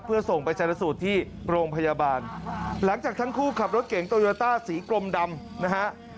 เพื่อส่งไปชนะสูตรที่โรงพยาบาลหลังจากทั้งคู่ขับรถเก่งโตโยต้าสีกลมดำนะฮะ